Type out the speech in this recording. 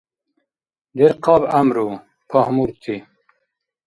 Дерхъаб гӏямру, пагьмурти.